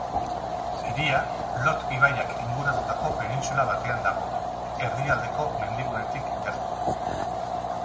Hiria Lot ibaiak inguratutako penintsula batean dago, Erdialdeko Mendigunetik gertu.